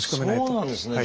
そうなんですね。